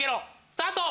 スタート！